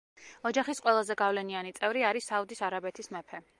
ოჯახის ყველაზე გავლენიანი წევრი არის საუდის არაბეთის მეფე.